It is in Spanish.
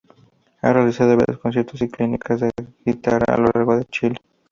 Ha realizado varios conciertos y clínicas de guitarra a lo largo de Chile.